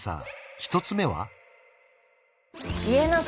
１つ目は？